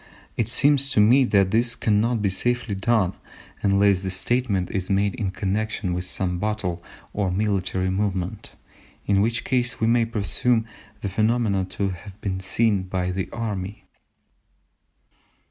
It seems to me that this cannot be safely done unless the statement is made in connection with some battle or military movement, in which case we may presume the phenomena to have been seen by the army."